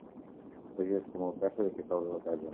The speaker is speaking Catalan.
Pagés que molt caça deixa caure la casa.